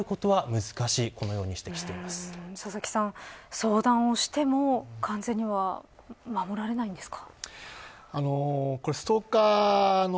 相談をしても、完全には守られないんですか。